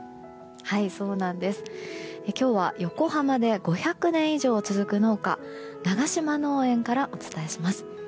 今日は横浜で５００年以上続く農家永島農園からお伝えします。